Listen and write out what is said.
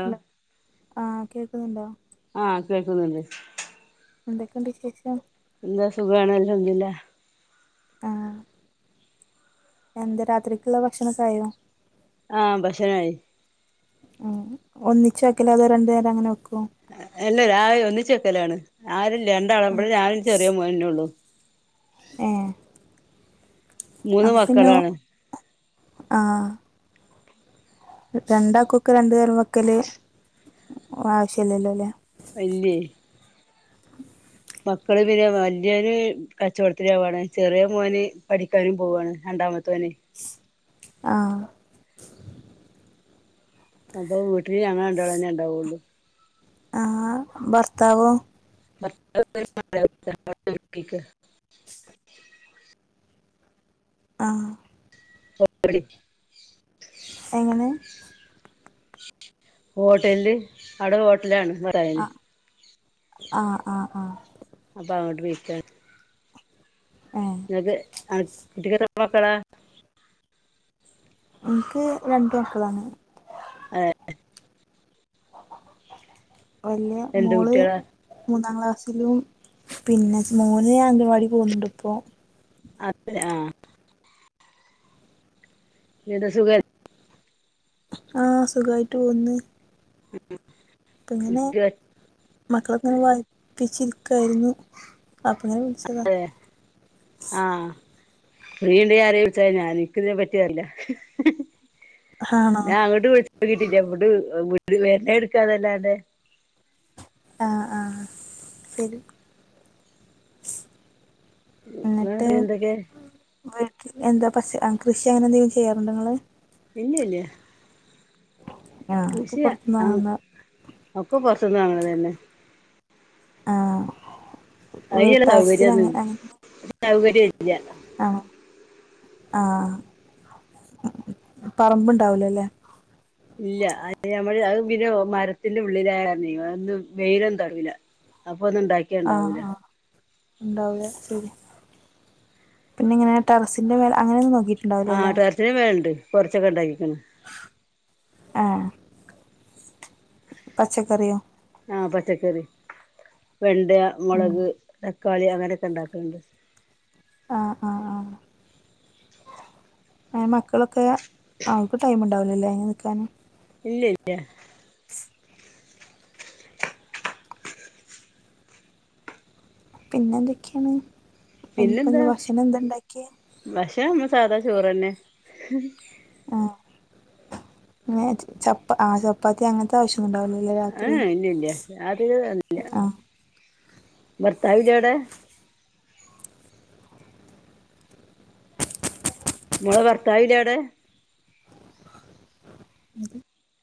Hello ആഹ് കേക്കുന്നുണ്ടോ ആഹ് കേൾക്കുന്നുണ്ട് എന്തൊക്കെയുണ്ട് വിശേഷം എന്താ സുഖണല്ലോ അൽഹംദുലില്ലാഹ് ആ എന്താ രാത്രിയ് ക്കുള്ള ഭക്ഷണമൊക്കെ ആയോ ആ ഭക്ഷണായി ആ ഒന്നിച്ച വെക്കൽ അതോ രണ്ടു നേരം അങ്ങനെ വെക്കോ ഇല്ല രാവിലെ ഒന്നിച്ചു വെക്കലാണ്. [unintelligible] രണ്ടാളുമ്പോഴും ഞാനും ചെറിയ മോനേ ഉള്ളൂ ഏഹ് മൂന്ന് അപ്പൊ പിന്നെ മക്കളാണ് ആഹ് രണ്ടാൾക്കൊക്കെ രണ്ട് നേരം വെക്കൽ ആവശ്യമില്ലല്ലോ അല്ലേ അല്ലേ മക്കൾ പിന്നെ വലിയൊരു കച്ചവടത്തിലാ പോണേ ചെറിയ മോൻ പഠിക്കാനും പോവുകയാണ് രണ്ടാമത്തെ ത്തവന് ആഹ് അപ്പൊ വീട്ടിൽ ഞങ്ങൾ രണ്ടാൾ തന്നെ ഉണ്ടാവൊള്ളൂ. ആ ഭർത്താവോ [unintelligible] ആഹ് [inaudible] എങ്ങനെ ഹോട്ടലിൽ അവിടെ ഹോട്ടൽ ആണ് ഇവടെയ്നി ആഹ് ആഹ് ആഹ് ആഹ് അപ്പൊ അങ്ങോട്ട് പോയ്ക്കാ ഏഹ് അത് ആ കുട്ടിക്ക് എത്താ എത്ര മക്കളാ എനിക്ക് രണ്ടു മക്കങ്ങളാണ് ഏഹ് വല്യയ രണ്ട് മോള് കുട്ടികളാ മു ഒന്നാം ക്ലാസ്സിലും പിന്നെ മോന് അംഗനവാടിയിൽ പോവുന്നുണ്ട് ഇപ്പോ അതേ ആഹ് ഇത് സുഖ ആ സുഖമായിട്ട് പോവുന്ന് ഇപ്പെ ഇങ്ങനെ മക്കളെക്കെ ഇങ്ങനെ വായിപ്പിച്ചിരിക്കായിരുന്നു അ [inaudible] ആഹ് ഫ്രീ ഇണ്ടെങ്കി ആരെങ്കിലും വിളിച്ചാൽ മതി എൻക്ക് ഇതേ പറ്റിയറില്ല ആണോ ഞാൻ അങ്ങോട്ട് വിളിച്ചിട്ട് കിട്ടില്ല ഇവിടെ വി [inaudible] എടുക്കേന്നല്ലാതെ ആഹ ആ തലിക് മ് എന്തൊകെ വീ എന്താ പഷ കൃഷി അങ്ങനെ എന്തെങ്കിലും ചെയ്യാറുണ്ടോ ഇങ്ങള് ഇല്ല്യല്ല്യാ ആ ഒക്കെ കൃഷിയ പുറത്തുനിന്ന് ആണ് വാങ്ങുന്ന ഒക്ക പൊർ ത്ത്ന്നാ അതന്നെ ആഹ അയ്യൊരു സൗകര്യന്നും സൗക വര്ല്ല്യ ആഹ് ആഹ് പറമ്പ് ഇണ്ടാവ്ലല്ലേ ഇല്ല അത് നമ്മള് അ പിന്നെ മരത്തിന്റെ ഉള്ളിലായകാര്ണെ വേറൊന്നും വെയ്ലൊന്നും തടവിലാ അപ് പ്പൊന്നും ഉണ്ടാക്കിയ ആ ഉണ്ടാവൂല ആ ഉണ്ടാവൂല ശരിയ പിനിങ്ങനെ ട്ടറസിന്റെ മേലെ അങ്ങനൊന്നും കൊഴ ആ ട്ടറസിന്റെ മേല്ണ്ട് കൊർച്ചൊക്കെ ഇണ്ടാകീക്ക്‌ണ് ആ പച്ചക്കറിയോ ആഹ് പച്ചക്കറി വെണ്ടയാ ഉം മൊളക് തക് ക്കാളി അങ്ങനെക്കെ ഇണ്ടാക്ണ്ട് ആഹ് ആഹ് ആ ഏ മക്കളൊക്കെ അവക്ക് ടൈം ഇണ്ടാവു ല്ലെ അയ്നിക്കാന് ഇല്ല്യ ഇല്ല്യാ പിന്നെന്തൊക്ക്യേണ് എനിപ്പന്ന് പിന്നെന്താ ഭക്ഷണം എന്താ ഇണ്ടാക്ക്യേ സാതാചോറന്നെ ആഹ്‌ നിങ്ങളെത ചപ്പാ ആ ചപ്പാത്തി അങ്ങൻത്തെ ആവശ് ഏഹ് ഇല്ല ഇല്ല്യ അത് [unintelligible] ആ ഭർത്താവില്ലെ അവ്ടെ മോളെ ഭർത്താവില്ലേ അടെ അത്